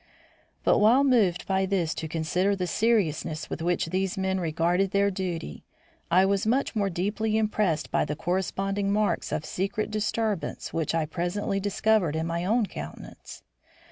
But while moved by this to consider the seriousness with which these men regarded their duty, I was much more deeply impressed by the corresponding marks of secret disturbance which I presently discovered in my own countenance.